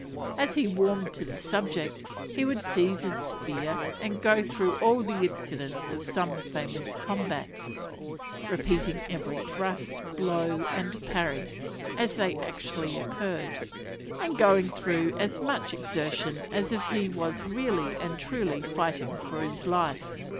As he warmed to the subject, he would seize his spear and go through all the incidents of some famous combat, repeating every thrust, blow, and parry, as they actually occurred, and going through as much exertion as if he was really and truly fighting for his life.